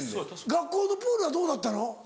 学校のプールはどうだったの？